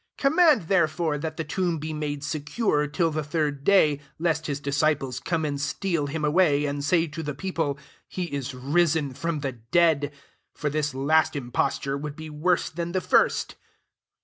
64 Command therefore that the tomb be made secure, till the third day ; lest his disciples come and steal him away, and say to the people, < He is risen fix)m the dead :' for this last imposture would be worse than the first."